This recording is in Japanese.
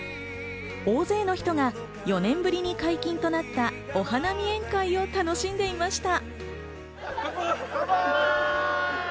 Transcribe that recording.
大勢の人が４年ぶりに解禁となったお花見宴会を楽しんでいました。